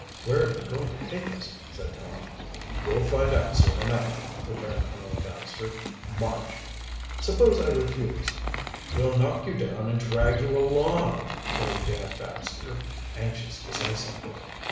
"Where are you going to take us?" said Tom. "You'll find out soon enough," returned Arnold Baxter. "March." "Supposing I refuse?" "We'll knock you down and drag you along," put in Dan Baxter, anxious to say something.